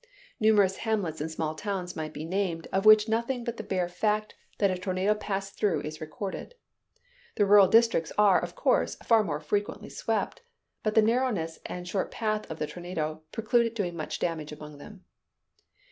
Numerous hamlets and small towns might be named, of which nothing but the bare fact that a tornado passed through is recorded. The rural districts are, of course, far more frequently swept; but the narrowness and short path of the tornado preclude its doing much damage among them.